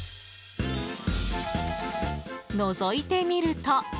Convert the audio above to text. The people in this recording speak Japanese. のぞいてみると。